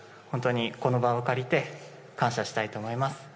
本当に、この場を借りて、感謝したいと思います。